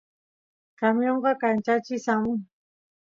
camionqa kanchachis amun